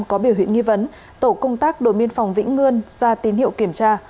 có biểu hiện nghi vấn tổ công tác đồn biên phòng vĩnh ngươn ra tín hiệu kiểm tra